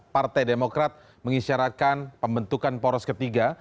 partai demokrat mengisyaratkan pembentukan poros ketiga